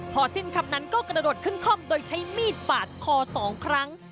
พอสิ้นคำนั้นก็กระโดดขึ้นคล่อมโดยใช้มีดปาดคอ๒ครั้ง